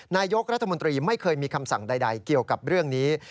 นายกรัฐมนตรีไม่เคยมีคำสั่งใดเกี่ยวกับเรื่องนี้